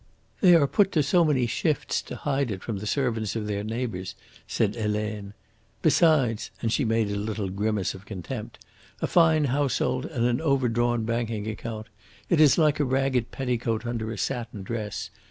"They are put to so many shifts to hide it from the servants of their neighbours," said Helene. "Besides," and she made a little grimace of contempt, "a fine household and an overdrawn banking account it is like a ragged petticoat under a satin dress.